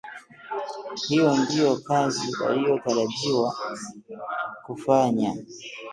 Hiyo ndiyo kazi waliotarajiwa kufanya